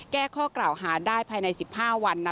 แก้ข้อกล่าวหาได้ภายใน๑๕วัน